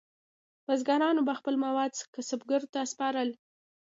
بزګرانو به خپل مواد کسبګرو ته سپارل.